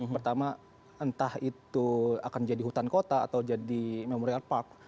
pertama entah itu akan jadi hutan kota atau jadi memorial park